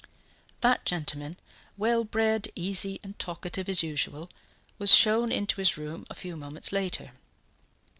That gentleman, well bred, easy and talkative as usual, was shown into his room a few moments later.